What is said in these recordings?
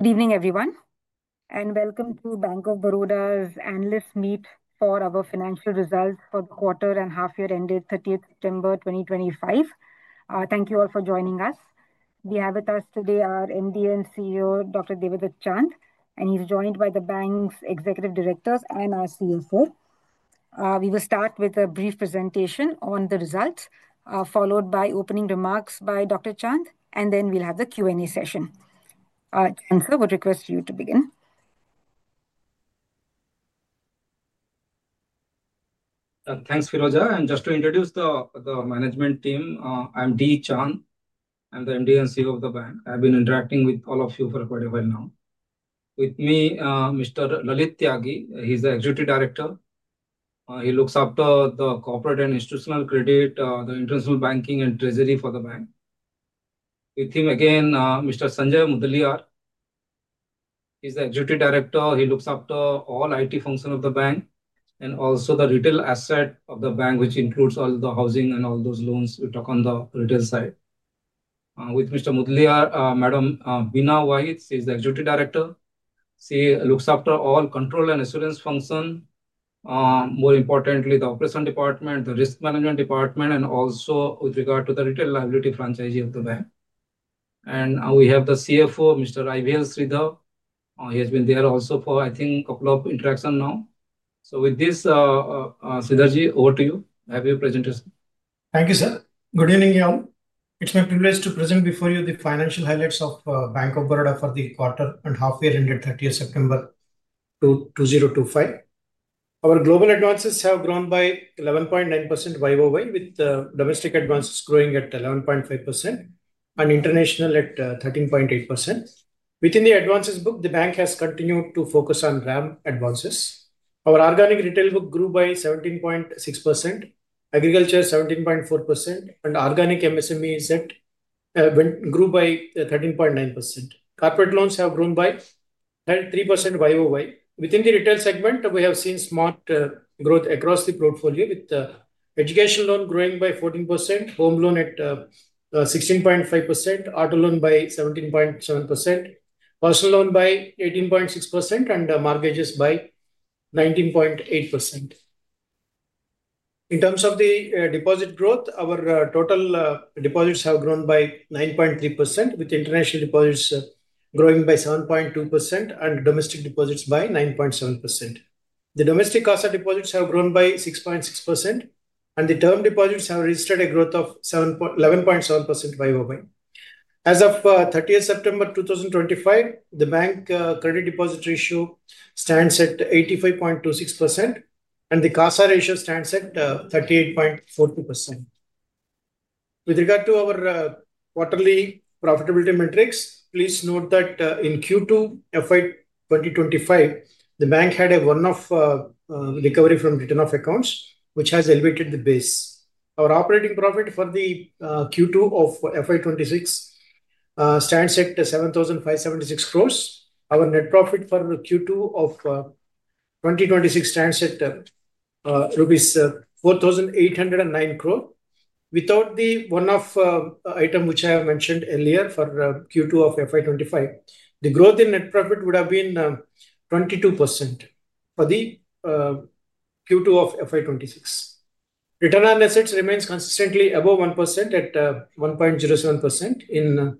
Good evening, everyone, and welcome to Bank of Baroda's Analyst Meet for our financial results for the quarter and half-year ended 30 September 2025. Thank you all for joining us. We have with us today our MD and CEO, Debadatta Chand, and he's joined by the bank's Executive Directors and our CFO. We will start with a brief presentation on the results, followed by opening remarks by Dr. Chand, and then we'll have the Q&A session. Chand sir, I would request you to begin. Thanks, Piroja. Just to introduce the management team, I'm Debadatta Chand. I'm the MD and CEO of the bank. I've been interacting with all of you for quite a while now. With me, Mr. Lalit Tyagi. He's the Executive Director. He looks after the Corporate and Institutional Credit, the International Banking, and Treasury for the bank. With him again, Mr. Sanjay Mudaliar. He's the Executive Director. He looks after all IT functions of the bank and also the Retail Asset of the bank, which includes all the housing and all those loans we talk on the retail side. With Mr. Mudaliar, Madam Bina Wahid. She's the Executive Director. She looks after all Control and Assurance functions, more importantly, the Operation Department, the Risk Management Department, and also with regard to the Retail Liability franchise of the bank. We have the CFO, Mr. IVL Sridhar. He has been there also for, I think, a couple of interactions now. With this, Sridhar, over to you. Have your presentation. Thank you, sir. Good evening, everyone. It's my privilege to present before you the financial highlights of Bank of Baroda for the quarter and half-year ended 30 September 2025. Our global advances have grown by 11.9% year over year, with domestic advances growing at 11.5% and international at 13.8%. Within the advances book, the bank has continued to focus on RAM advances. Our organic retail book grew by 17.6%, agriculture 17.4%, and organic MSMEs grew by 13.9%. Corporate loans have grown by 33% year over year. Within the retail segment, we have seen smart growth across the portfolio, with education loans growing by 14%, home loans at 16.5%, auto loans by 17.7%, personal loans by 18.6%, and mortgage loans by 19.8%. In terms of the deposit growth, our total deposits have grown by 9.3%, with international deposits growing by 7.2% and domestic deposits by 9.7%. The domestic CASA deposits have grown by 6.6%, and the term deposits have registered a growth of 11.7% year over year. As of 30 September 2025, the bank credit-deposit ratio stands at 85.26%, and the CASA ratio stands at 38.42%. With regard to our quarterly profitability metrics, please note that in Q2 FY 2025, the bank had a one-off recovery from written-off accounts, which has elevated the base. Our operating profit for Q2 of FY 2026 stands at 7,576 crore. Our net profit for Q2 of 2026 stands at rupees 4,809 crore. Without the one-off item which I have mentioned earlier for Q2 of FY 2025, the growth in net profit would have been 22% for Q2 of FY 2026. Return on assets remains consistently above 1% at 1.07%.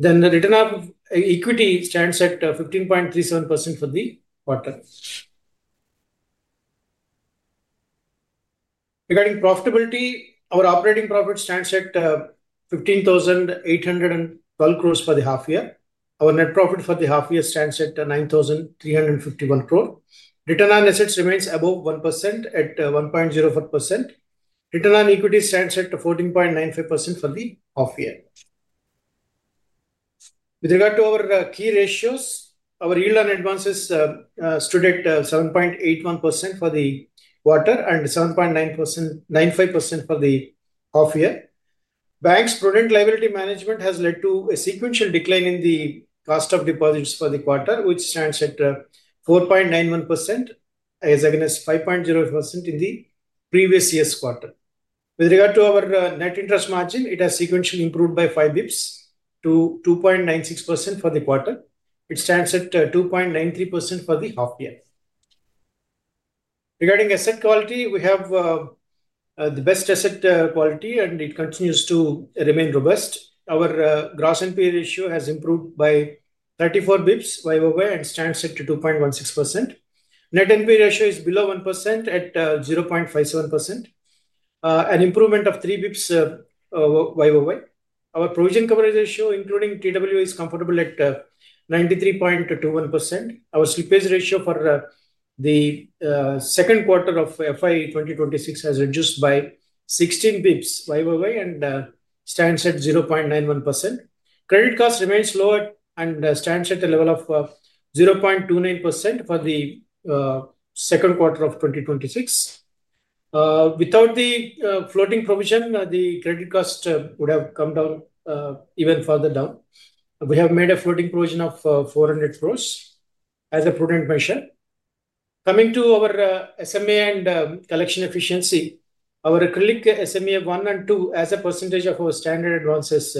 The return on equity stands at 15.37% for the quarter. Regarding profitability, our operating profit stands at 15,812 crore for the half-year. Our net profit for the half-year stands at 9,351 crore. Return on assets remains above 1% at 1.04%. Return on equity stands at 14.95% for the half-year. With regard to our key ratios, our yield on advances stood at 7.81% for the quarter and 7.95% for the half-year. Bank's prudent liability management has led to a sequential decline in the cost of deposits for the quarter, which stands at 4.91% as against 5.05% in the previous year's quarter. With regard to our net interest margin, it has sequentially improved by five basis points to 2.96% for the quarter. It stands at 2.93% for the half-year. Regarding asset quality, we have the best asset quality, and it continues to remain robust. Our gross NPA ratio has improved by 34 basis points year over year and stands at 2.16%. Net NPA ratio is below 1% at 0.57%, an improvement of 3 basis points year over year. Our provision coverage ratio, including technical write-offs, is comfortable at 93.21%. Our slippage ratio for the second quarter of FY 2026 has reduced by 16 basis points year over year and stands at 0.91%. Credit cost remains low and stands at a level of 0.29% for the second quarter of 2026. Without the floating provision, the credit cost would have come down even further. We have made a floating provision of 400 crore as a prudent measure. Coming to our SMA and collection efficiency, our overall SMA 1 and 2, as a percentage of our standard advances,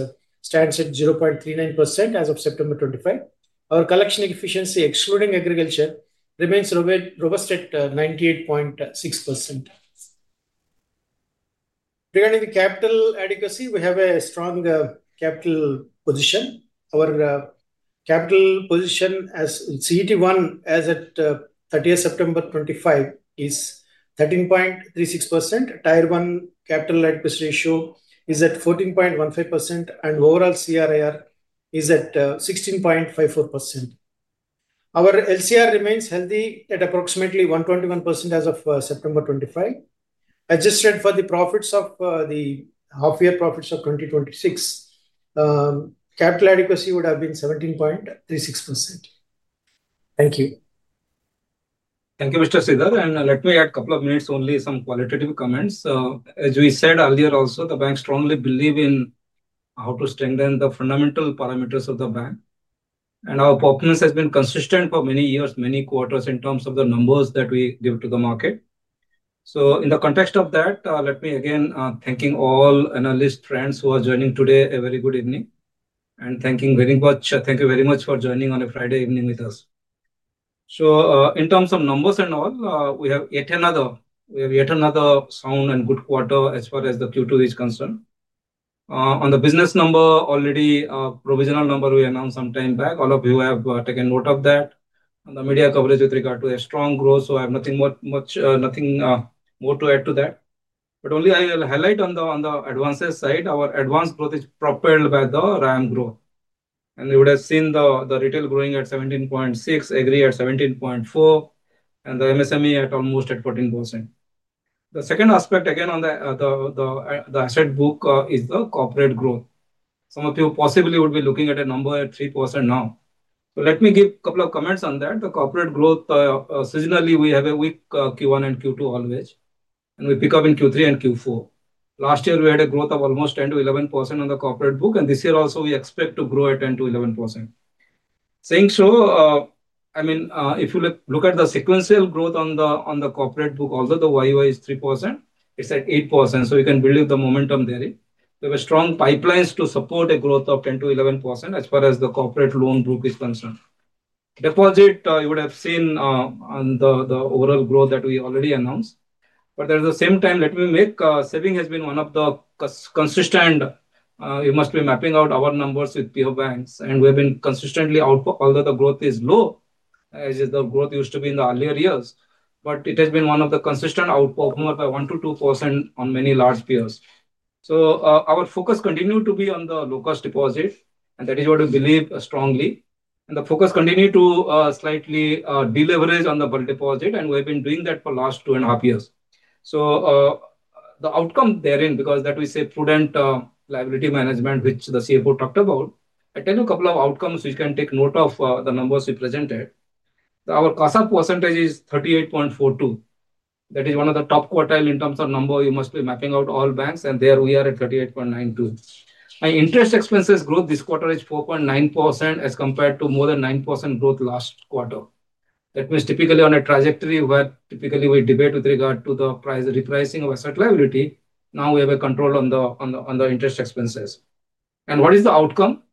stands at 0.39% as of September 2025. Our collection efficiency, excluding agriculture, remains robust at 98.6%. Regarding the capital adequacy, we have a strong capital position. Our capital position as CET1, as at 30 September 2025, is 13.36%. Tier 1 capital adequacy ratio is at 14.15%, and overall CRAR is at 16.54%. Our liquidity coverage ratio remains healthy at approximately 121% as of September 2025. Adjusted for the profits of the half-year profits of 2026, capital adequacy would have been 17.36%. Thank you. Thank you, Mr. Sridhar. Let me add a couple of minutes, only some qualitative comments. As we said earlier also, the bank strongly believes in how to strengthen the fundamental parameters of the bank. Our performance has been consistent for many years, many quarters, in terms of the numbers that we give to the market. In the context of that, let me again thank all analyst friends who are joining today. A very good evening, and thank you very much for joining on a Friday evening with us. In terms of numbers and all, we have yet another sound and good quarter as far as Q2 is concerned. On the business number, already a provisional number we announced some time back. All of you have taken note of that. On the media coverage with regard to a strong growth, I have nothing more to add to that. Only I will highlight on the advances side. Our advance growth is propelled by the RAM growth. You would have seen the retail growing at 17.6%, agri at 17.4%, and the MSME at almost 14%. The second aspect again on the asset book is the corporate growth. Some of you possibly would be looking at a number at 3% now. Let me give a couple of comments on that. The corporate growth, seasonally, we have a weak Q1 and Q2 always, and we pick up in Q3 and Q4. Last year, we had a growth of almost 10% to 11% on the corporate book, and this year also, we expect to grow at 10% to 11%. Saying so, I mean, if you look at the sequential growth on the corporate book, although the year-on-year is 3%, it's at 8%. You can believe the momentum there. We have strong pipelines to support a growth of 10%-11% as far as the corporate loan group is concerned. Deposit, you would have seen on the overall growth that we already announced. At the same time, let me make saving has been one of the consistent. We must be mapping out our numbers with peer banks, and we have been consistently output, although the growth is low, as the growth used to be in the earlier years. It has been one of the consistent output of 1%-2% on many large peers. Our focus continued to be on the low-cost deposit, and that is what we believe strongly. The focus continued to slightly deleverage on the bulk deposit, and we have been doing that for the last two and a half years. The outcome therein, because that we say prudent liability management, which the CFO talked about, I'll tell you a couple of outcomes which you can take note of the numbers we presented. Our CASA percentage is 38.42%. That is one of the top quartile in terms of number. You must be mapping out all banks. There we are at 38.92%. My interest expenses growth this quarter is 4.9% as compared to more than 9% growth last quarter. That means typically on a trajectory where typically we debate with regard to the repricing of asset liability, now we have a control on the interest expenses. What is the outcome?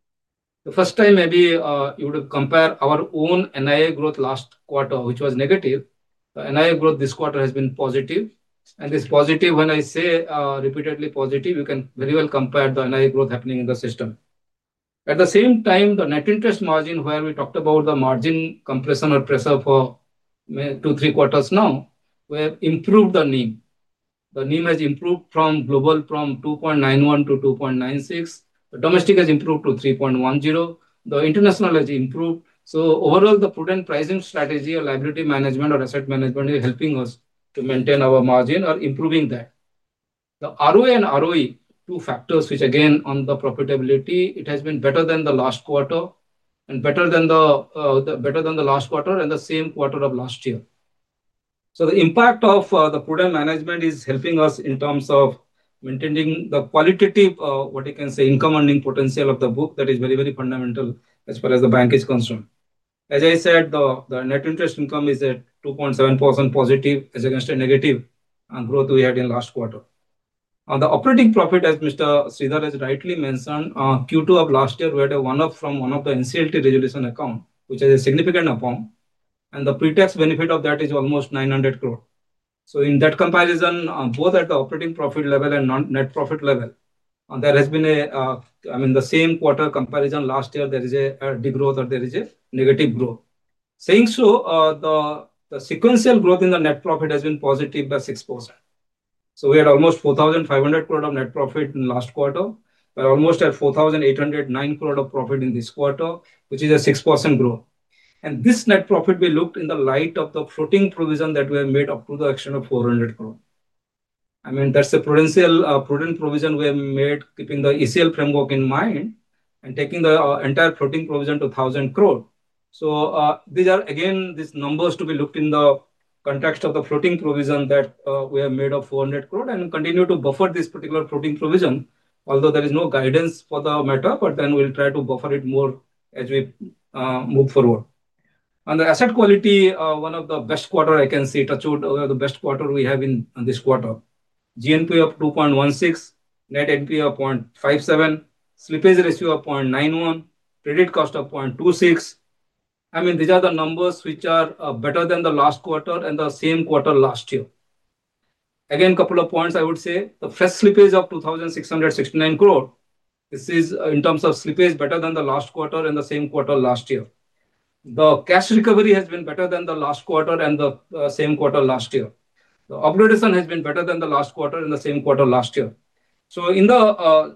The first time, maybe you would compare our own NIA growth last quarter, which was negative. The NIA growth this quarter has been positive. This positive, when I say repeatedly positive, you can very well compare the NIA growth happening in the system. At the same time, the net interest margin where we talked about the margin compression or pressure for two, three quarters now, we have improved the NIM. The NIM has improved from global from 2.91% to 2.96%. The domestic has improved to 3.10%. The international has improved. Overall, the prudent pricing strategy or liability management or asset management is helping us to maintain our margin or improving that. The ROA and ROE, two factors which, again, on the profitability, it has been better than the last quarter and better than the last quarter and the same quarter of last year. The impact of the prudent management is helping us in terms of maintaining the qualitative, what you can say, income earning potential of the book. That is very, very fundamental as far as the bank is concerned. As I said, the net interest income is at 2.7% positive as against a negative growth we had in last quarter. On the operating profit, as Mr. Sridhar has rightly mentioned, Q2 of last year, we had a one-off from one of the NCLT resolution account, which has a significant upon. The pre-tax benefit of that is almost 900 crore. In that comparison, both at the operating profit level and net profit level, there has been a, I mean, the same quarter comparison last year, there is a degrowth or there is a negative growth. The sequential growth in the net profit has been positive by 6%. We had almost 4,500 crore of net profit in last quarter. We are almost at 4,809 crore of profit in this quarter, which is a 6% growth. This net profit we looked in the light of the floating provision that we have made up to the extent of 400 crore. That's the prudent provision we have made, keeping the ECL framework in mind and taking the entire floating provision to 1,000 crore. These numbers are to be looked at in the context of the floating provision that we have made of 400 crore and continue to buffer this particular floating provision. Although there is no guidance for the matter, we will try to buffer it more as we move forward. On the asset quality, one of the best quarters I can see, touched the best quarter we have in this quarter. Gross NPA of 2.16%, net NPA of 0.57%, slippage ratio of 0.91%, credit cost of 0.26%. These are the numbers which are better than the last quarter and the same quarter last year. A couple of points, I would say. The fresh slippage of 2,669 crore, this is in terms of slippage better than the last quarter and the same quarter last year. The cash recovery has been better than the last quarter and the same quarter last year. The upgradation has been better than the last quarter and the same quarter last year. In the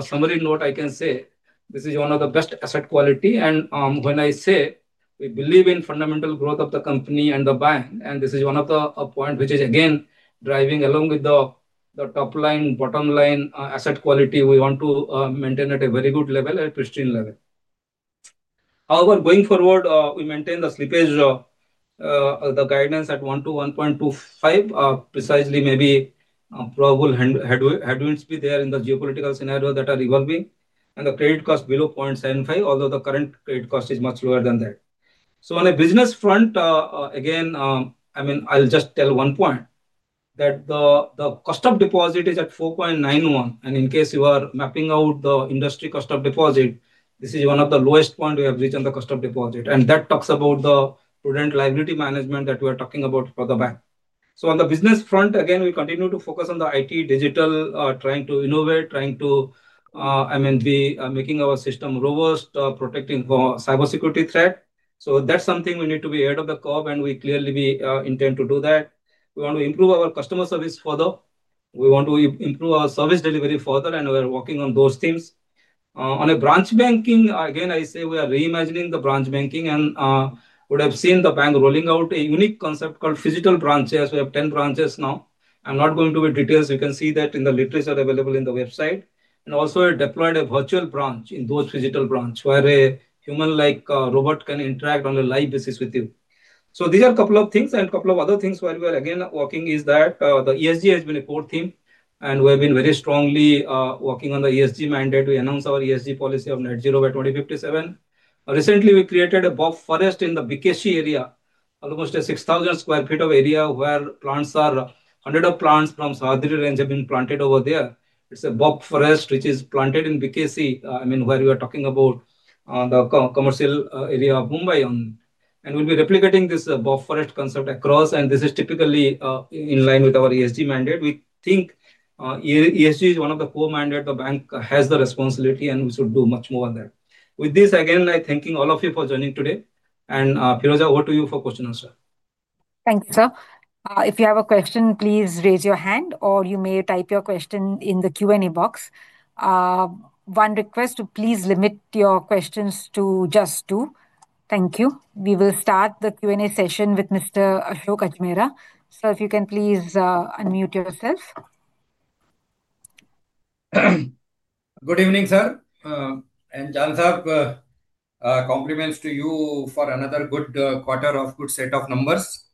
summary note, I can say this is one of the best asset quality. When I say we believe in fundamental growth of the company and the bank, this is one of the points which is driving along with the top line, bottom line asset quality. We want to maintain at a very good level, a pristine level. However, going forward, we maintain the slippage guidance at 1% to 1.25%, precisely maybe probable headwinds be there in the geopolitical scenario that are evolving. The credit cost below 0.75%, although the current credit cost is much lower than that. On a business front, I will just tell one point that the cost of deposit is at 4.91%. In case you are mapping out the industry cost of deposit, this is one of the lowest points we have reached on the cost of deposit. That talks about the prudent liability management that we are talking about for the bank. On the business front, we continue to focus on the IT digital, trying to innovate, trying to make our system robust, protecting for cybersecurity threat. That is something we need to be ahead of the curve, and we clearly intend to do that. We want to improve our customer service further. We want to improve our service delivery further, and we're working on those things. On branch banking, I say we are reimagining the branch banking. You would have seen the bank rolling out a unique concept called phygital branches. We have 10 branches now. I'm not going to go into details. You can see that in the literature available on the website. We deployed a virtual branch in those phygital branches where a human-like robot can interact on a live basis with you. These are a couple of things. A couple of other things where we are again working is that the ESG has been a core theme. We have been very strongly working on the ESG mandate. We announced our ESG policy of net zero by 2057. Recently, we created a BOB forest in the BKC area, almost 6,000 square feet of area where hundreds of plants from the Sahyadri range have been planted over there. It's a BOB forest which is planted in BKC, where we are talking about the commercial area of Mumbai. We will be replicating this BOB forest concept across. This is typically in line with our ESG mandate. We think ESG is one of the core mandates. The bank has the responsibility, and we should do much more on that. With this, again, I'm thanking all of you for joining today. Piroja, over to you for question and answer. Thank you, sir. If you have a question, please raise your hand, or you may type your question in the Q&A box. One request to please limit your questions to just two. Thank you. We will start the Q&A session with Mr. Ashok Ajmera. Sir, if you can please unmute yourself. Good evening, sir. And Jal saab. Compliments to you for another good quarter of good set of numbers.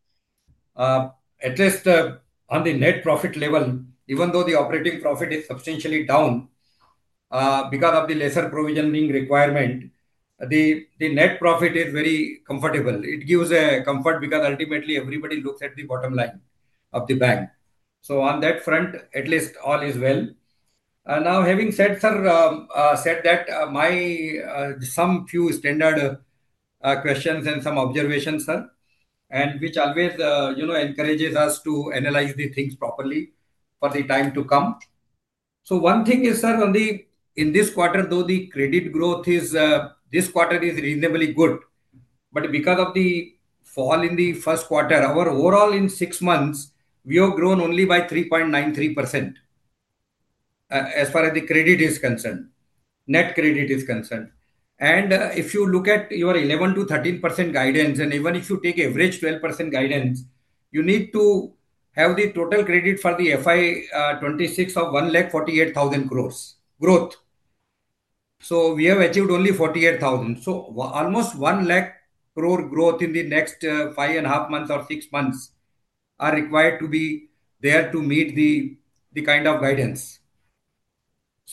At least on the net profit level, even though the operating profit is substantially down. Because of the lesser provision being requirement, the net profit is very comfortable. It gives a comfort because ultimately everybody looks at the bottom line of the bank. On that front, at least all is well. Now, having said that, my few standard questions and some observations, sir, which always encourages us to analyze the things properly for the time to come. One thing is, sir, in this quarter, though the credit growth is this quarter is reasonably good, because of the fall in the first quarter, overall in six months, we have grown only by 3.93%. As far as the credit is concerned, net credit is concerned. If you look at your 11%-13% guidance, and even if you take average 12% guidance, you need to have the total credit for the FY 2026 of 1,48,000 crore growth. We have achieved only 48,000 crore. Almost 1,00,000 crore growth in the next five and a half months or six months is required to be there to meet the kind of guidance.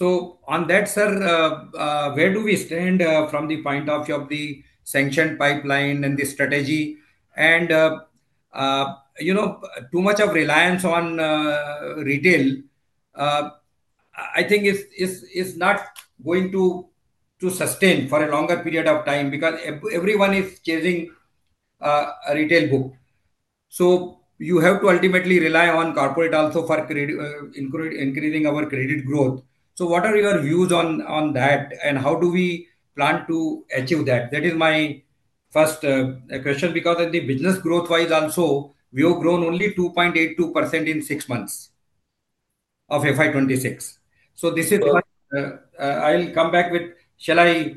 On that, sir, where do we stand from the point of view of the sanctioned pipeline and the strategy? Too much of reliance on retail, I think, is not going to sustain for a longer period of time because everyone is chasing a retail book. You have to ultimately rely on corporate also for increasing our credit growth. What are your views on that, and how do we plan to achieve that? That is my first question because in the business growth wise also, we have grown only 2.82% in six months of FY 2026. This is. I'll come back with, shall I.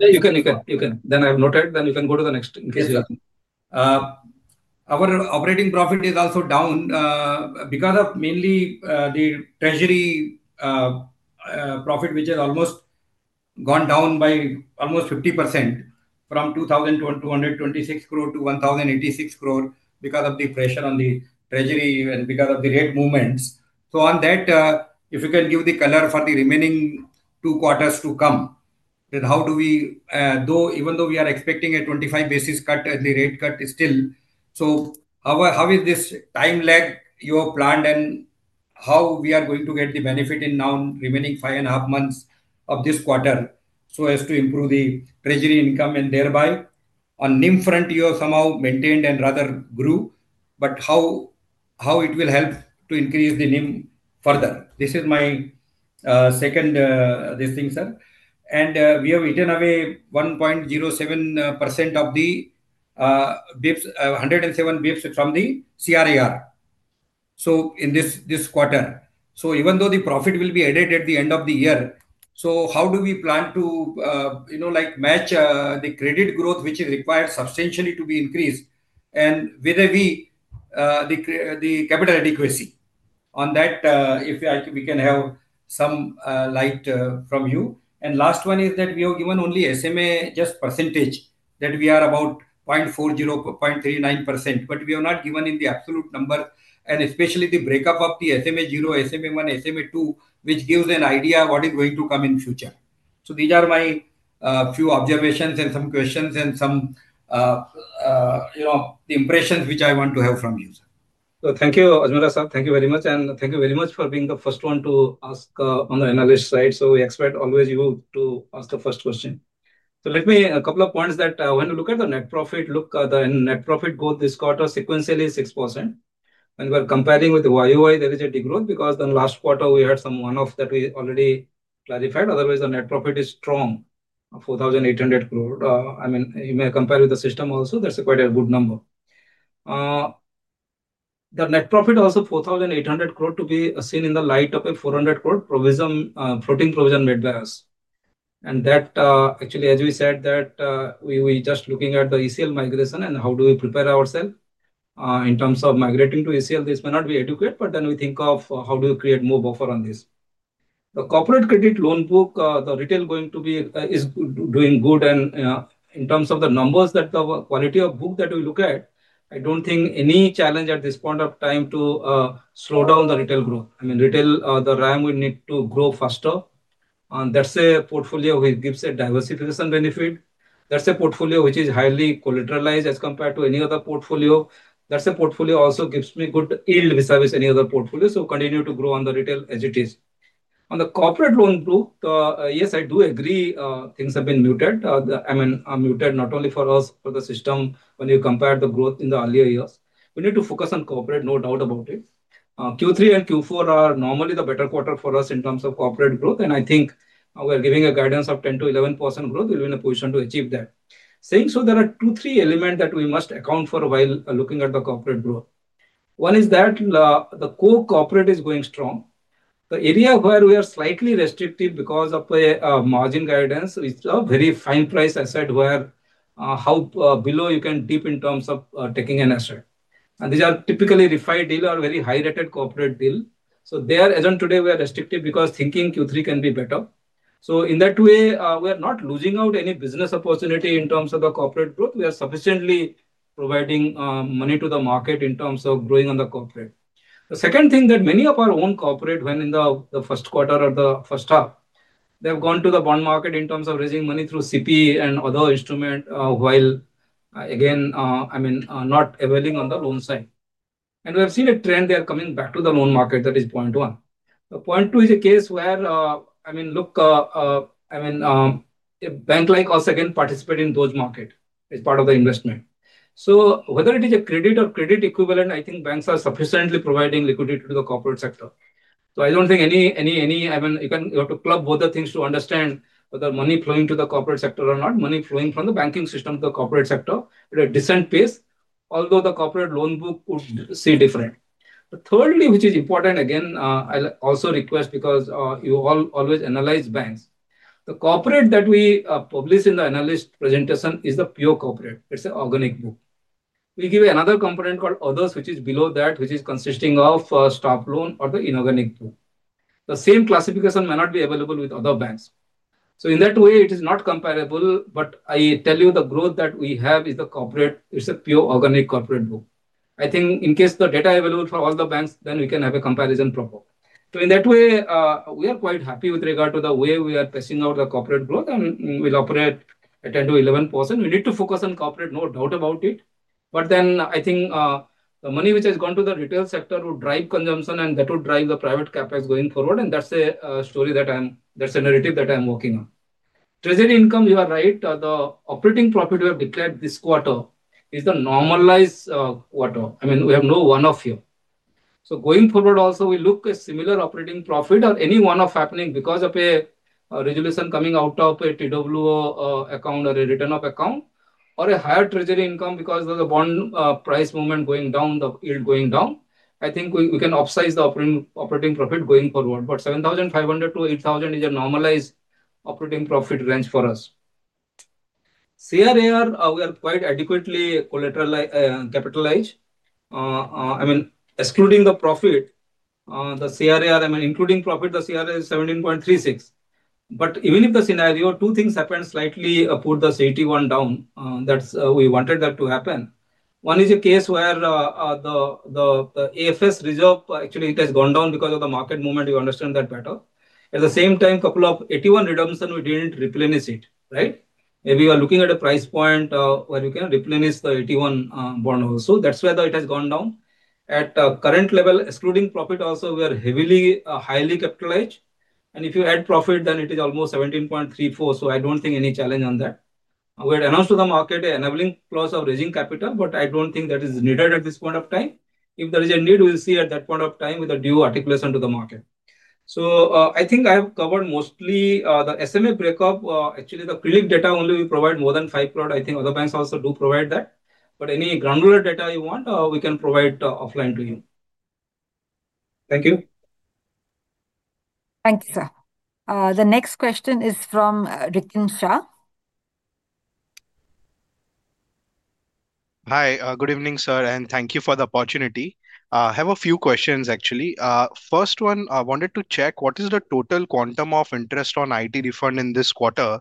You can. I've noted. You can go to the next in case you have to. Our operating profit is also down because of mainly the treasury profit, which has almost gone down by almost 50% from 2,226 crore to 1,086 crore because of the pressure on the treasury and because of the rate movements. If you can give the color for the remaining two quarters to come, even though we are expecting a 25 basis point cut at the rate cut still, how is this time lag you have planned and how we are going to get the benefit in now remaining five and a half months of this quarter to improve the treasury income and thereby on NIM front, you have somehow maintained and rather grew. How will it help to increase the NIM further? This is my second thing, sir. We have eaten away 1.07% of the basis points, 107 basis points from the CRAR in this quarter, so even though the profit will be added at the end of the year, how do we plan to match the credit growth, which is required substantially to be increased? Whether we, the capital adequacy on that, if we can have some light from you. Last one is that we have given only SMA just percentage that we are about 0.40%, 0.39%. We have not given in the absolute number, and especially the breakup of the SMA 0, SMA 1, SMA 2, which gives an idea of what is going to come in future. These are my few observations and some questions and some impressions which I want to have from you, sir. Thank you, Ajmera sir. Thank you very much. Thank you very much for being the first one to ask on the analyst side. We expect always you to ask the first question. Let me make a couple of points that when you look at the net profit, look at the net profit growth this quarter sequentially 6%. When we are comparing with the YOI, there is a degrowth because the last quarter we had some one-off that we already clarified. Otherwise, the net profit is strong, 4,800 crore. I mean, you may compare with the system also. That's quite a good number. The net profit also, 4,800 crore, to be seen in the light of a 400 crore floating provision made by us. That actually, as we said, we are just looking at the ECL migration and how do we prepare ourselves in terms of migrating to ECL, this may not be adequate. We think of how do we create more buffer on this. The corporate credit loan book, the retail going to be is doing good. In terms of the numbers, the quality of book that we look at, I don't think any challenge at this point of time to slow down the retail growth. I mean, retail, the RAM will need to grow faster. That's a portfolio which gives a diversification benefit. That's a portfolio which is highly collateralized as compared to any other portfolio. That's a portfolio also gives me good yield besides any other portfolio. We continue to grow on the retail as it is. On the corporate loan group, yes, I do agree things have been muted. Muted not only for us, for the system. When you compare the growth in the earlier years, we need to focus on corporate, no doubt about it. Q3 and Q4 are normally the better quarter for us in terms of corporate growth. I think we are giving a guidance of 10%-11% growth. We'll be in a position to achieve that. There are two, three elements that we must account for while looking at the corporate growth. One is that the core corporate is going strong. The area where we are slightly restrictive because of a margin guidance is a very fine price asset where how below you can dip in terms of taking an asset. These are typically refined deals or very high-rated corporate deals. There, as of today, we are restrictive because thinking Q3 can be better. In that way, we are not losing out any business opportunity in terms of the corporate growth. We are sufficiently providing money to the market in terms of growing on the corporate. The second thing that many of our own corporate when in the first quarter or the first half, they have gone to the bond market in terms of raising money through CP and other instruments while, again, not availing on the loan side. We have seen a trend they are coming back to the loan market. That is point one. Point two is a case where, look, a bank like us again participates in those markets as part of the investment. Whether it is a credit or credit equivalent, I think banks are sufficiently providing liquidity to the corporate sector. I don't think you have to club both the things to understand whether money is flowing to the corporate sector or not. Money is flowing from the banking system to the corporate sector at a decent pace, although the corporate loan book would see different. Thirdly, which is important, I also request because you all always analyze banks. The corporate that we publish in the analyst presentation is the pure corporate. It's an organic book. We give another component called others, which is below that, which is consisting of stock loan or the inorganic book. The same classification may not be available with other banks. In that way, it is not comparable. I tell you the growth that we have is the corporate. It's a pure organic corporate book. I think in case the data is available for all the banks, then we can have a comparison proper. In that way, we are quite happy with regard to the way we are passing out the corporate growth. We'll operate at 10%-11%. We need to focus on corporate, no doubt about it. I think the money which has gone to the retail sector would drive consumption, and that would drive the private capex going forward. That's a story that I'm, that's a narrative that I'm working on. Treasury income, you are right. The operating profit we have declared this quarter is the normalized quarter. We have no one-off here. Going forward, also, we look at similar operating profit or any one-off happening because of a resolution coming out of a TWO account or a return of account or a higher treasury income because of the bond price movement going down, the yield going down. I think we can upsize the operating profit going forward. 7,500-8,000 is a normalized operating profit range for us. CRAR, we are quite adequately capitalized. Excluding the profit, the CRAR, including profit, the CRAR is 17.36%. Even if the scenario, two things happened slightly put the CET1 down. We wanted that to happen. One is a case where the AFS reserve, actually, it has gone down because of the market movement. You understand that better. At the same time, a couple of AT1 redemption, we didn't replenish it, right? Maybe you are looking at a price point where you can replenish the AT1 bond also. That's why it has gone down. At current level, excluding profit also, we are heavily, highly capitalized. If you add profit, then it is almost 17.34%. I don't think any challenge on that. We had announced to the market an enabling clause of raising capital, but I don't think that is needed at this point of time. If there is a need, we'll see at that point of time with a due articulation to the market. I think I have covered mostly the SMA breakup. Actually, the clinic data only we provide more than 5 crore. I think other banks also do provide that. Any granular data you want, we can provide offline to you. Thank you. Thank you, sir. The next question is from Rikin Shah. Hi, good evening, sir. Thank you for the opportunity. I have a few questions, actually. First one, I wanted to check what is the total quantum of interest on IT refund in this quarter?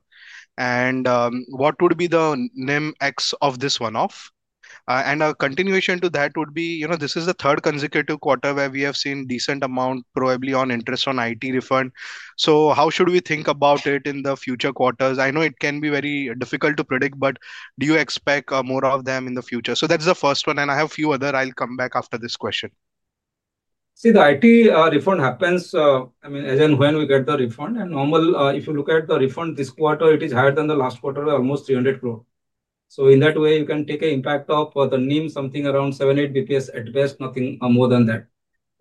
What would be the NIMX of this one-off? A continuation to that would be, you know, this is the third consecutive quarter where we have seen a decent amount, probably on interest on IT refund. How should we think about it in the future quarters? I know it can be very difficult to predict, but do you expect more of them in the future? That's the first one. I have a few other. I'll come back after this question. See, the IT refund happens as and when we get the refund. If you look at the refund this quarter, it is higher than the last quarter, almost 300 crore. In that way, you can take an impact of the NIM, something around 78 basis points at best, nothing more than that.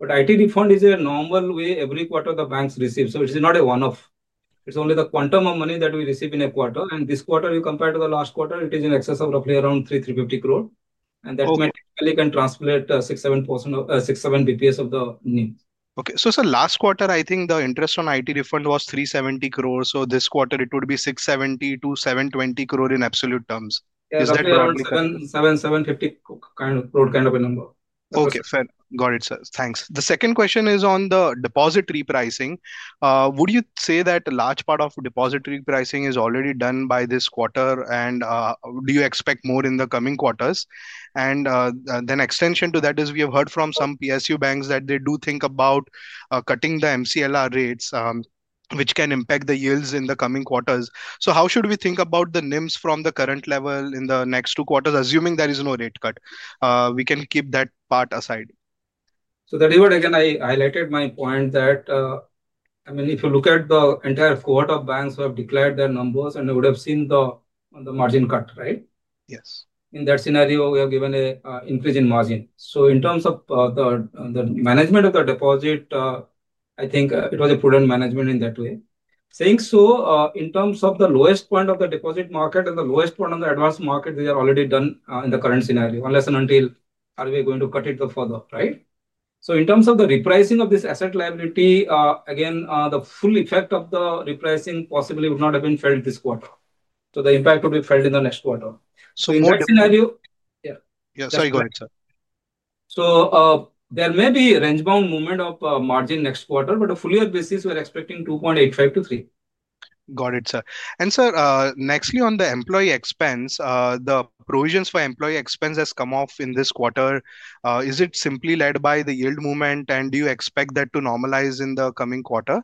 IT refund is a normal way every quarter the banks receive. It is not a one-off. It's only the quantum of money that we receive in a quarter. This quarter, compared to the last quarter, it is in excess of roughly around 3.35 billion. That's when you can translate 6-7 basis points of the NIM. Okay. Sir, last quarter, I think the interest on IT refund was 370 crore. This quarter, it would be 670 to 720 crore in absolute terms. Is that roughly? 7,750 crore kind of a number. Okay. Fair. Got it, sir. Thanks. The second question is on the deposit repricing. Would you say that a large part of deposit repricing is already done by this quarter? Do you expect more in the coming quarters? An extension to that is we have heard from some PSU banks that they do think about cutting the MCLR rates, which can impact the yields in the coming quarters. How should we think about the NIMs from the current level in the next two quarters, assuming there is no rate cut? We can keep that part aside. That is what again I highlighted my point that, I mean, if you look at the entire quarter of banks who have declared their numbers, we would have seen the margin cut, right? Yes. In that scenario, we have given an increase in margin. In terms of the management of the deposit, I think it was a prudent management in that way. In terms of the lowest point of the deposit market and the lowest point on the advanced market, they are already done in the current scenario, unless and until we are going to cut it further, right? In terms of the repricing of this asset liability, again, the full effect of the repricing possibly would not have been felt this quarter. The impact would be felt in the next quarter. In that scenario. Yeah. Yeah, sorry, go ahead, sir. There may be a range-bound movement of margin next quarter, but on a fuller basis, we're expecting 2.85% to 3%. Got it, sir. Sir, nextly, on the employee expense, the provisions for employee expense have come off in this quarter. Is it simply led by the yield movement? Do you expect that to normalize in the coming quarter?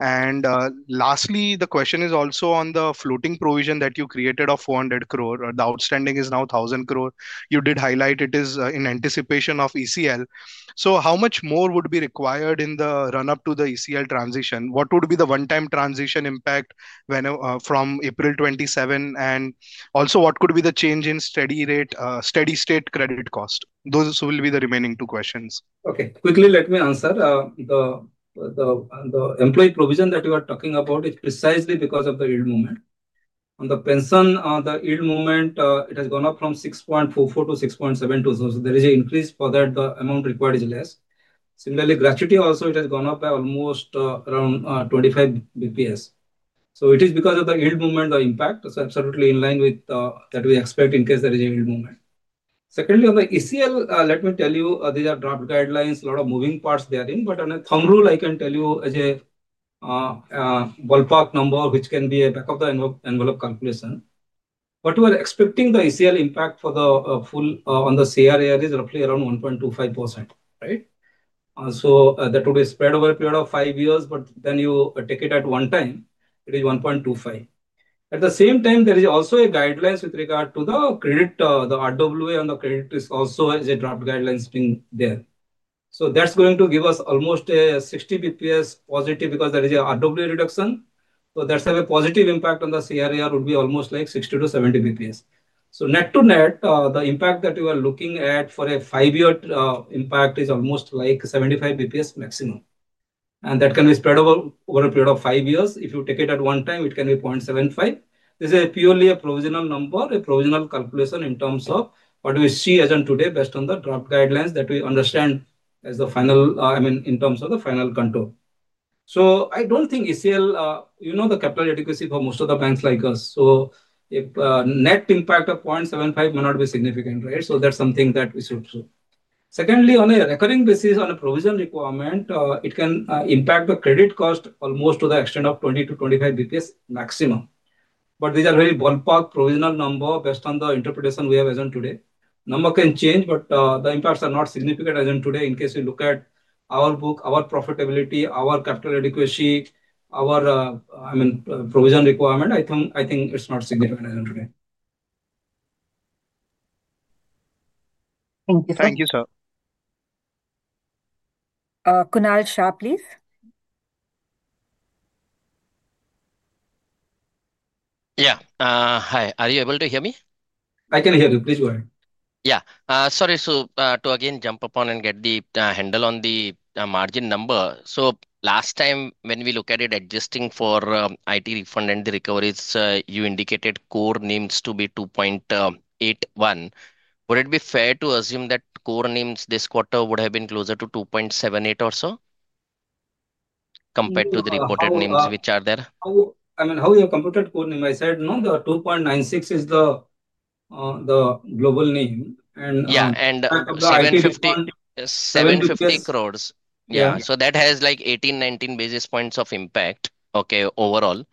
Lastly, the question is also on the floating provision that you created of 400 crore. The outstanding is now 1,000 crore. You did highlight it is in anticipation of ECL. How much more would be required in the run-up to the ECL transition? What would be the one-time transition impact from April 2027? What could be the change in steady state credit cost? Those will be the remaining two questions. Okay. Quickly, let me answer. The employee provision that you are talking about is precisely because of the yield movement. On the pension, the yield movement, it has gone up from 6.44% to 6.72%. There is an increase for that. The amount required is less. Similarly, gratuity also, it has gone up by almost around 25 basis points. It is because of the yield movement, the impact. Absolutely in line with that we expect in case there is a yield movement. Secondly, on the ECL, let me tell you, these are draft guidelines, a lot of moving parts they are in. On a thumb rule, I can tell you as a ballpark number, which can be a back-of-the-envelope calculation. What we are expecting the ECL impact for the full on the CRAR is roughly around 1.25%, right? That would be spread over a period of five years. If you take it at one time, it is 1.25%. At the same time, there is also a guideline with regard to the credit, the RWA on the credit risk also has a draft guideline being there. That is going to give us almost a 60 basis points positive because there is an RWA reduction. That is a positive impact on the CRAR, would be almost like 60-70 basis points. Net to net, the impact that you are looking at for a five-year impact is almost like 75 basis points maximum. That can be spread over a period of five years. If you take it at one time, it can be 0.75%. This is purely a provisional number, a provisional calculation in terms of what we see as on today, based on the draft guidelines that we understand as the final, I mean, in terms of the final control. I don't think ECL, you know, the capital adequacy for most of the banks like us. A net impact of 0.75% may not be significant, right? That is something that we should do. Secondly, on a recurring basis, on a provision requirement, it can impact the credit cost almost to the extent of 20-25 basis points maximum. These are very ballpark provisional numbers based on the interpretation we have as on today. The number can change, but the impacts are not significant as on today. In case you look at our book, our profitability, our capital adequacy, our, I mean, provision requirement, I think it's not significant as on today. Thank you, sir. Thank you, sir. Kunal Shah, please. Hi. Are you able to hear me? I can hear you. Please go ahead. Sorry. To again jump upon and get the handle on the margin number, last time, when we look at it adjusting for IT refund and the recoveries, you indicated core NIMs to be 2.81%. Would it be fair to assume that core NIMs this quarter would have been closer to 2.78% or so, compared to the reported NIMs which are there? How you computed core NIM? I said, no, the 2.96% is the global NIM. Yeah, 750 crore. Yeah, that has like 18, 19 basis points of impact, overall.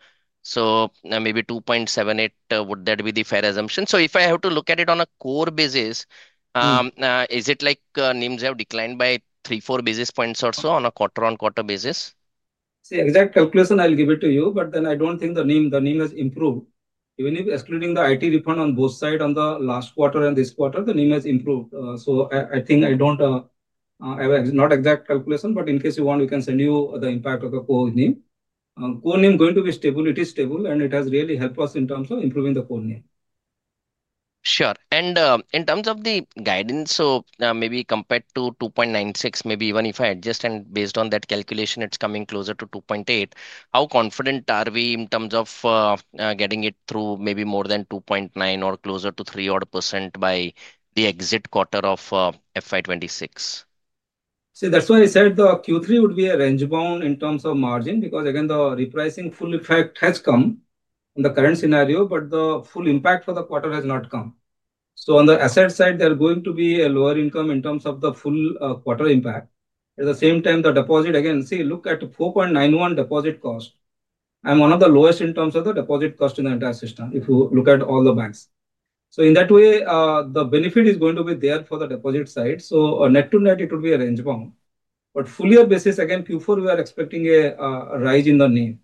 Maybe 2.78%, would that be the fair assumption? If I have to look at it on a core basis, is it like NIMs have declined by three, four basis points or so on a quarter-on-quarter basis? See, exact calculation I'll give it to you. I don't think the NIM has improved. Even if excluding the IT refund on both sides on the last quarter and this quarter, the NIM has improved. I don't have exact calculation. In case you want, we can send you the impact of the core NIM. Core NIM going to be stable. It is stable, and it has really helped us in terms of improving the core NIM. In terms of the guidance, compared to 2.96, even if I adjust and based on that calculation, it's coming closer to 2.8%. How confident are we in terms of getting it through, maybe more than 2.9% or closer to 3% by the exit quarter of FY 2026? See, that's why I said the Q3 would be range-bound in terms of margin because again, the repricing full effect has come in the current scenario, but the full impact for the quarter has not come. On the asset side, there are going to be a lower income in terms of the full quarter impact. At the same time, the deposit, again, see, look at 4.91% deposit cost. I'm one of the lowest in terms of the deposit cost in the entire system if you look at all the banks. In that way, the benefit is going to be there for the deposit side. Net to net, it would be range-bound. On a fuller basis, again, Q4, we are expecting a rise in the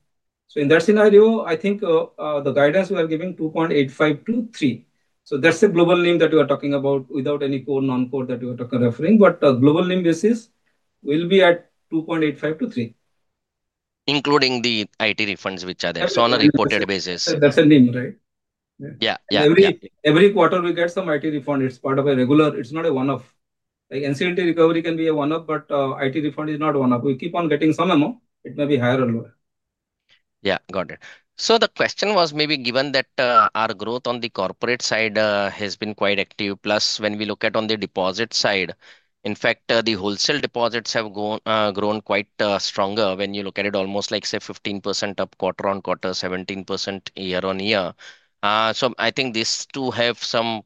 NIM. In that scenario, I think the guidance we are giving is 2.85% to 3%. That's the global NIM that we are talking about without any core non-core that we are referring. The global NIM basis will be at 2.85% to 3%. Including the IT refunds which are there, on a reported basis. That's a NIM, right? Yeah. Yeah. Every quarter, we get some IT refund. It's part of a regular, it's not a one-off. Like NC&T recovery can be a one-off, but IT refund is not one-off. We keep on getting some amount. It may be higher or lower. Got it. The question was maybe given that our growth on the corporate side has been quite active. Plus, when we look at on the deposit side, in fact, the wholesale deposits have grown quite stronger when you look at it, almost like, say, 15% up quarter on quarter, 17% year on year. I think these two have some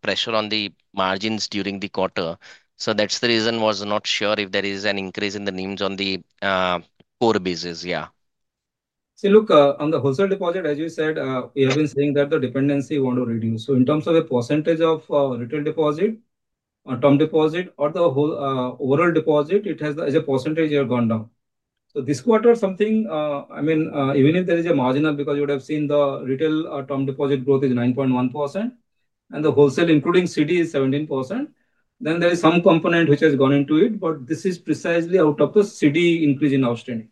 pressure on the margins during the quarter. That's the reason I was not sure if there is an increase in the NIMs on the core basis. See, look, on the wholesale deposit, as you said, we have been saying that the dependency you want to reduce. In terms of a percentage of retail deposit, term deposit, or the overall deposit, it as a percentage has gone down. This quarter, even if there is a marginal, because you would have seen the retail term deposit growth is 9.1%. The wholesale, including CD, is 17%. There is some component which has gone into it, but this is precisely out of the CD increase in outstanding.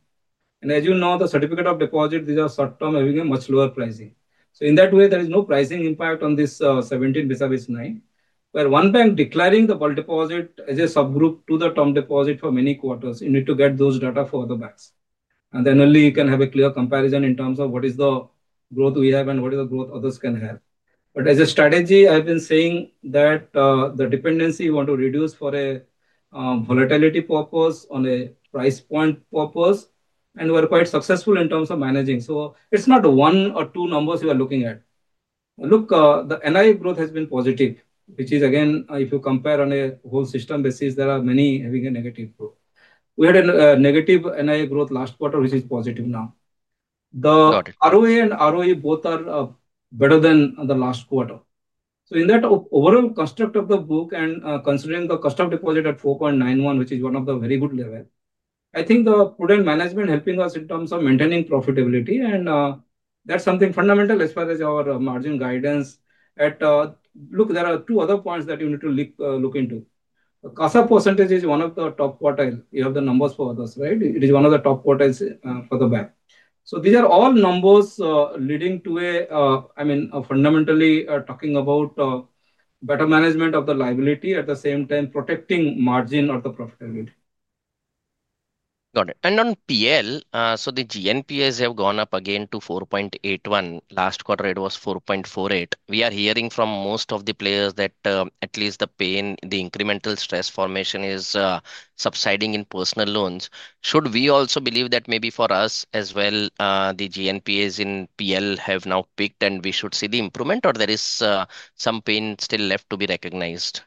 As you know, the certificate of deposit, these are short-term having a much lower pricing. In that way, there is no pricing impact on this 17% besides 9%. Where one bank declaring the bulk deposit as a subgroup to the term deposit for many quarters, you need to get those data for the banks. Only then you can have a clear comparison in terms of what is the growth we have and what is the growth others can have. As a strategy, I've been saying that the dependency you want to reduce for a volatility purpose, on a price point purpose, and we're quite successful in terms of managing. It's not one or two numbers you are looking at. Look, the NI growth has been positive, which is, again, if you compare on a whole system basis, there are many having a negative growth. We had a negative NI growth last quarter, which is positive now. The ROA and ROE both are better than the last quarter. In that overall construct of the book and considering the custom deposit at 4.91%, which is one of the very good levels, I think the prudent management helping us in terms of maintaining profitability. That's something fundamental as far as our margin guidance. There are two other points that you need to look into. The CASA percentage is one of the top quartile. You have the numbers for others, right? It is one of the top quartiles for the bank. These are all numbers leading to a, I mean, fundamentally talking about better management of the liability at the same time protecting margin or the profitability. Got it. On PL, the GNPAs have gone up again to 4.81%. Last quarter, it was 4.48%. We are hearing from most of the players that at least the pain, the incremental stress formation is subsiding in personal loans. Should we also believe that maybe for us as well, the GNPAs in PL have now peaked and we should see the improvement, or there is some pain still left to be recognized?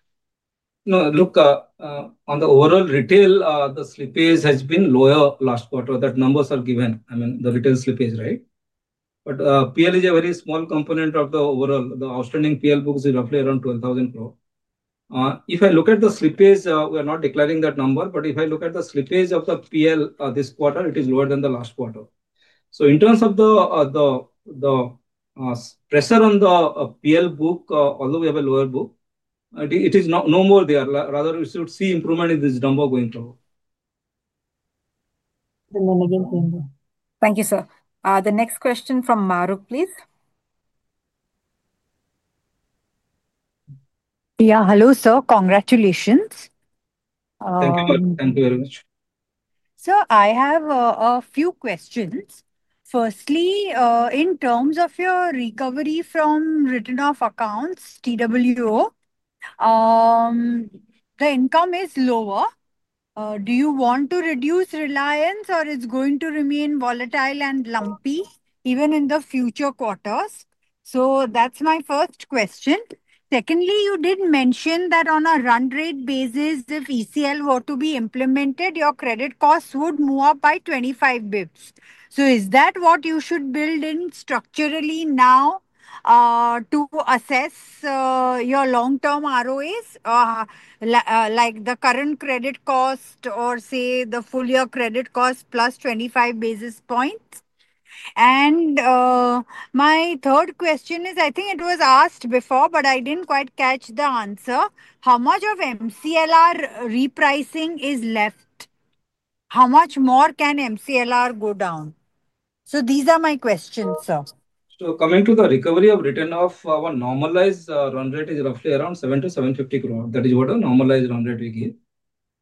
No. Look, on the overall retail, the slippage has been lower last quarter. That numbers are given. I mean, the retail slippage, right? PL is a very small component of the overall. The outstanding PL book is roughly around 12,000 crore. If I look at the slippage, we are not declaring that number. If I look at the slippage of the PL this quarter, it is lower than the last quarter. In terms of the pressure on the PL book, although we have a lower book, it is no more there. Rather, we should see improvement in this number going forward. Thank you, sir. The next question from Mahrukh, please. Yeah, hello, sir. Congratulations. Thank you. Thank you very much. Sir, I have a few questions. Firstly, in terms of your recovery from written-off accounts, too, the income is lower. Do you want to reduce reliance or is it going to remain volatile and lumpy even in the future quarters? That's my first question. Secondly, you did mention that on a run rate basis, if ECL were to be implemented, your credit costs would move up by 25 basis points. Is that what we should build in structurally now to assess your long-term ROAs, like the current credit cost or say the full year credit cost plus 25 basis points? My third question is, I think it was asked before, but I didn't quite catch the answer. How much of MCLR repricing is left? How much more can MCLR go down? These are my questions, sir. Coming to the recovery of written-off, our normalized run rate is roughly around 700 to 750 crore. That is what a normalized run rate we give.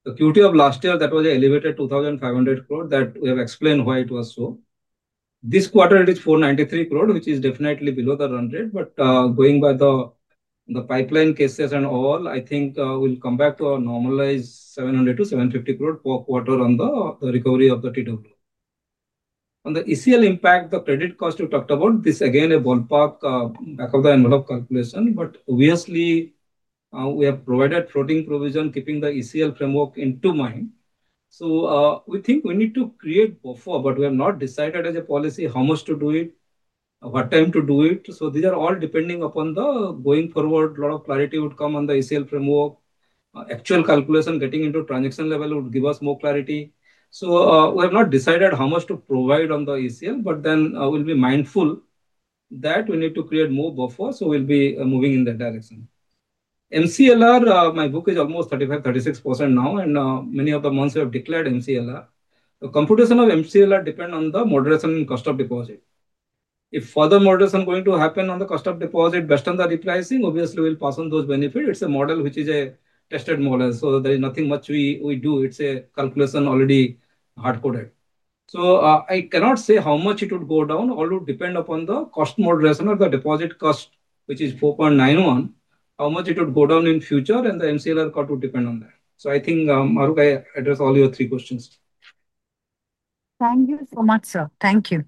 The quarter of last year, that was elevated to 2,500 crore. That we have explained why it was so. This quarter, it is 493 crore, which is definitely below the run rate. Going by the pipeline cases and all, I think we'll come back to a normalized 700-750 crore per quarter on the recovery of the written-off. On the ECL impact, the credit cost you talked about, this is again a ballpark back-of-the-envelope calculation. Obviously, we have provided floating provision, keeping the ECL framework in mind. We think we need to create buffer, but we have not decided as a policy how much to do it, what time to do it. These are all depending upon the going forward, a lot of clarity would come on the ECL framework. Actual calculation getting into transaction level would give us more clarity. We have not decided how much to provide on the ECL, but then we'll be mindful that we need to create more buffer. We'll be moving in that direction. MCLR, my book is almost 35%, 36% now, and many of the months we have declared MCLR. The computation of MCLR depends on the moderation in custom deposit. If further moderation is going to happen on the custom deposit, based on the repricing, obviously we'll pass on those benefits. It's a model which is a tested model. There is nothing much we do. It's a calculation already hard-coded. I cannot say how much it would go down. All would depend upon the cost moderation or the deposit cost, which is 4.91%, how much it would go down in future, and the MCLR cut would depend on that. I think, Mahrukh, I address all your three questions. Thank you so much, sir. Thank you.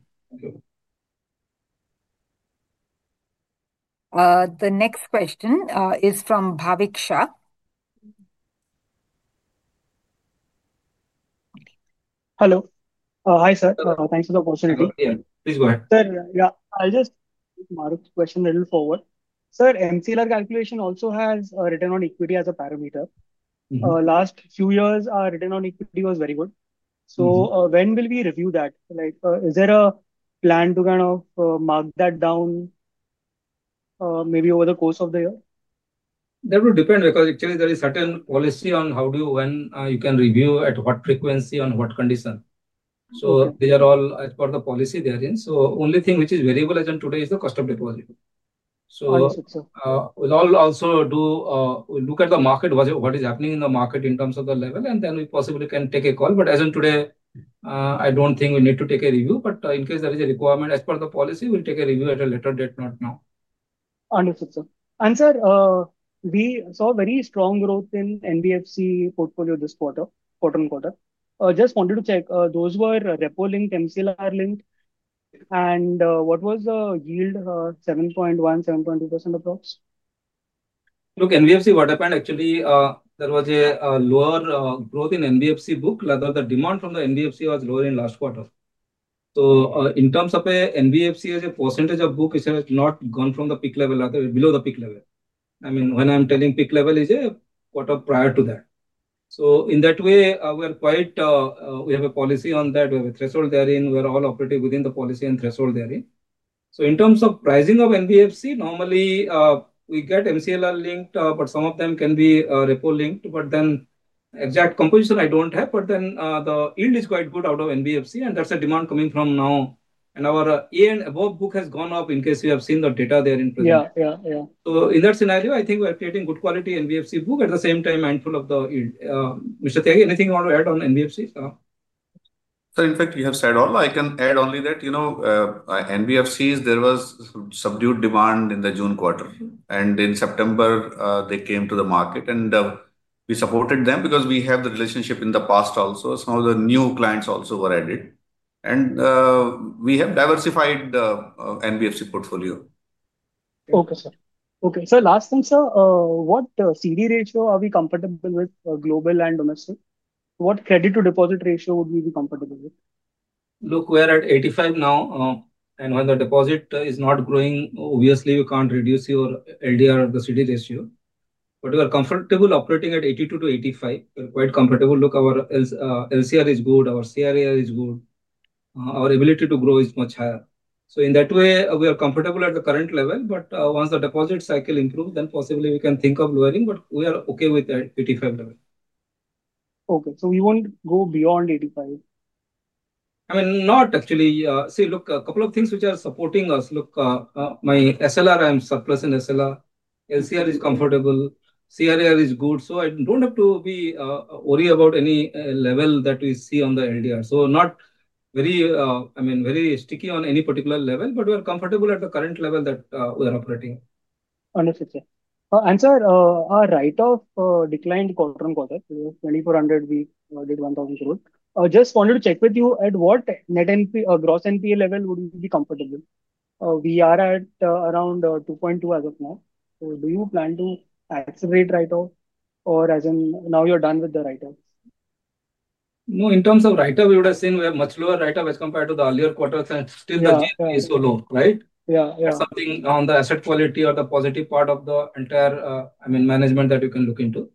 The next question is from Bhavik Shah. Hello. Hi, sir. Thanks for the opportunity. Yeah, please go ahead. Sir, I'll just ask Mahrukh's question a little forward. Sir, MCLR calculation also has a return on equity as a parameter. Last few years, our return on equity was very good. When will we review that? Is there a plan to kind of mark that down, maybe over the course of the year? That would depend because actually there is a certain policy on how you can review, at what frequency, on what condition. These are all as per the policy therein. The only thing which is variable as in today is the custom deposit. We'll also look at the market, what is happening in the market in terms of the level, and then we possibly can take a call. As in today, I don't think we need to take a review. In case there is a requirement as per the policy, we'll take a review at a later date, not now. Wonderful, sir. We saw very strong growth in NBFC portfolio this quarter, quarter on quarter. Just wanted to check. Those were Repo Linked, MCLR Linked. What was the yield, 7.1, 7.2% approx? Look, NBFC, what happened, actually, there was a lower growth in NBFC book. Rather, the demand from the NBFC was lower in last quarter. In terms of NBFC, as a percentage of book, it has not gone from the peak level or below the peak level. I mean, when I'm telling peak level, it's a quarter prior to that. In that way, we have a policy on that. We have a threshold therein. We are all operating within the policy and threshold therein. In terms of pricing of NBFC, normally we get MCLR Linked, but some of them can be Repo Linked. The exact composition, I don't have. The yield is quite good out of NBFC, and that's a demand coming from now. Our A and above book has gone up in case you have seen the data there in present. Yeah. Yeah. Yeah. In that scenario, I think we are creating good quality NBFC book at the same time mindful of the yield. Mr. Tyagi, anything you want to add on NBFC? Sir, in fact, you have said all. I can add only that NBFCs, there was subdued demand in the June quarter. In September, they came to the market. We supported them because we have the relationship in the past also. Some of the new clients also were added. We have diversified the NBFC portfolio. Okay, sir. Okay. Sir, last thing, sir, what CD ratio are we comfortable with, global and domestic? What credit-deposit ratio would we be comfortable with? Look, we are at 85% now. When the deposit is not growing, obviously you can't reduce your LDR or the CD ratio. We are comfortable operating at 82%-85%. We're quite comfortable. Look, our LCR is good. Our CRAR is good. Our ability to grow is much higher. In that way, we are comfortable at the current level. Once the deposit cycle improves, then possibly we can think of lowering. We are okay with that 85 level. Okay. We won't go beyond 85%? I mean, not actually. See, look, a couple of things which are supporting us. Look, my SLR, I'm surplus in SLR. LCR is comfortable. CRAR is good. I don't have to be worried about any level that we see on the LDR. Not very, I mean, very sticky on any particular level. We are comfortable at the current level that we are operating. Understood, sir. Our write-off declined quarter on quarter. From 2,400 crore, we did 1,000 crore. I just wanted to check with you, at what net NPA, gross NPA level would we be comfortable? We are at around 2.2% as of now. Do you plan to accelerate write-off or as in now you're done with the write-off? No, in terms of write-off, we would have seen we have much lower write-off as compared to the earlier quarters. Still, the yield is so low, right? Yeah. Yeah. Something on the asset quality or the positive part of the entire, I mean, management that you can look into.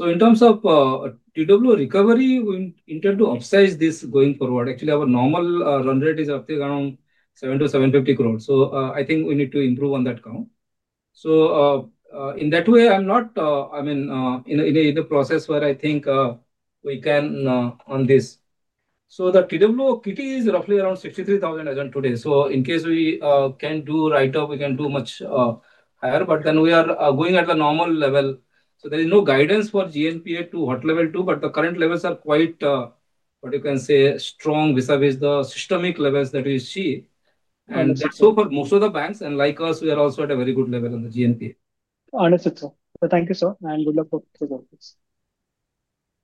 In terms of TWO recovery, we intend to upsize this going forward. Actually, our normal run rate is up to around 700 to 750 crore. I think we need to improve on that count. In that way, I'm not, I mean, in a process where I think we can on this. The TWO kitty is roughly around 63,000 crore as in today. In case we can do write-off, we can do much higher. We are going at the normal level. There is no guidance for gross NPA to what level to. The current levels are quite, what you can say, strong vis-à-vis the systemic levels that we see. For most of the banks and like us, we are also at a very good level on the gross NPA. Understood, sir. Thank you, sir, and good luck for both of us.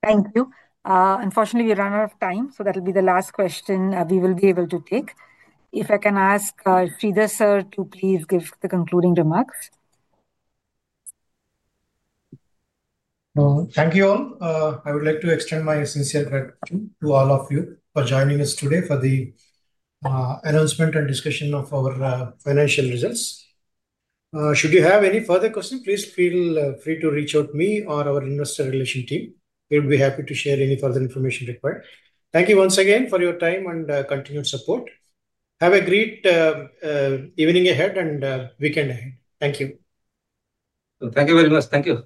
Thank you. Unfortunately, we run out of time. That will be the last question we will be able to take. If I can ask Sridhar sir to please give the concluding remarks. Thank you all. I would like to extend my sincere gratitude to all of you for joining us today for the announcement and discussion of our financial results. Should you have any further questions, please feel free to reach out to me or our investor relation team. We'll be happy to share any further information required. Thank you once again for your time and continued support. Have a great evening ahead and weekend ahead. Thank you. Thank you very much. Thank you.